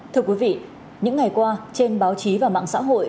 thưa quý vị những ngày qua trên báo chí và mạng xã hội